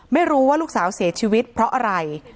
ไม่รู้ว่าลูกสาวเสียชีวิตเพราะอะไร